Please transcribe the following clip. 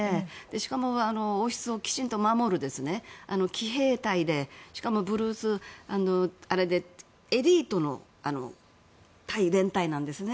しかも王室をきちんと守る騎兵隊でしかもエリートの連隊なんですね。